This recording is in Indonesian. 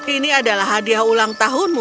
ini adalah hadiah ulang tahunmu